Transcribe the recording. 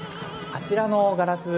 あちらのガラス